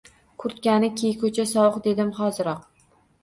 “Kurtkangni kiy, ko‘cha sovuq, dedim, hoziroq”